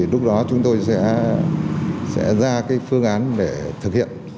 lúc đó chúng tôi sẽ ra cái phương án để thực hiện